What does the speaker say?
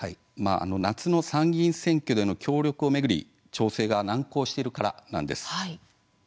夏の参議院選挙での協力を巡り調整が難航しているからなんです。